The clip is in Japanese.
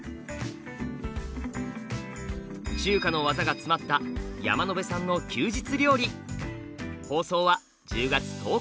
中華の技が詰まった山野辺さんの休日料理。